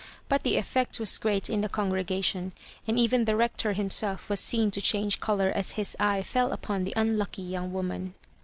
But the effect was great in the congregation, and even the Bector himself was seen to change colour as his eye fell upon the unlucky young woman.